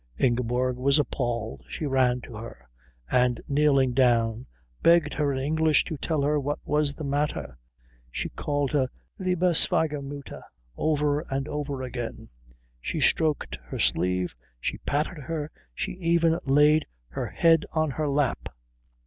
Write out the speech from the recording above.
Ingeborg was appalled. She ran to her, and, kneeling down, begged her in English to tell her what was the matter. She called her liebe Schwiegermutter over and over again. She stroked her sleeve, she patted her, she even laid her head on her lap.